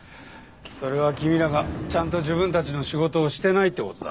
それは君らがちゃんと自分たちの仕事をしてないって事だろ。